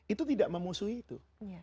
itu tidak memusuhi itu